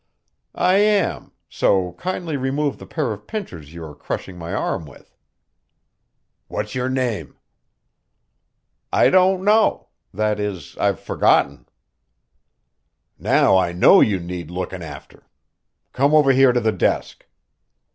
"I am, so kindly remove the pair of pincers you are crushing my arm with." "What's your name?" "I don't know that is, I've forgotten." "Now I know you need lookin' after. Come over here to the desk."